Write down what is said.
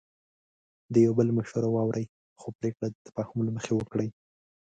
د یو بل مشوره واورئ، خو پریکړه د تفاهم له مخې وکړئ.